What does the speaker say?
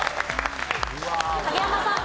影山さん。